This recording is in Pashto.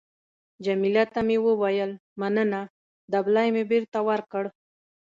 جميله ته مې وویل: مننه. دبلی مې بېرته ورکړ.